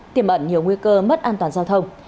tiềm ẩn nhiều nguy cơ mất an toàn giao thông